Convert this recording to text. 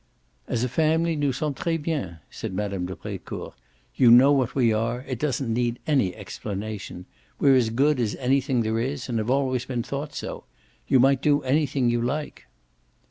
"As a family nous sommes tres bien," said Mme. de Brecourt. "You know what we are it doesn't need any explanation. We're as good as anything there is and have always been thought so. You might do anything you like."